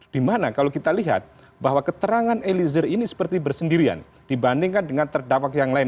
dimana kalau kita lihat bahwa keterangan eliezer ini seperti bersendirian dibandingkan dengan terdakwa yang lain